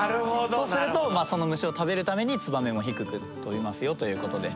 そうするとその虫を食べるためにツバメも低く飛びますよということで。